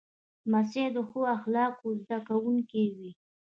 لمسی د ښو اخلاقو زده کوونکی وي.